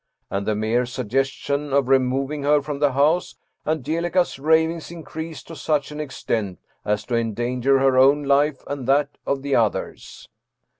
At the mere suggestion of removing her from the house Angelica's ravings increased to such an extent as to en danger her own life and that of the others.